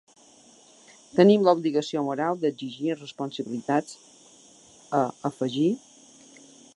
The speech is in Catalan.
“Tenim la obligació moral d’exigir responsabilitats”, ha afegit.